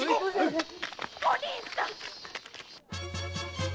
お凛さん！